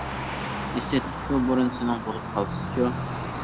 ئىسىت شۇ بۇرۇن سېنىڭ بولۇپ قالسىچۇ!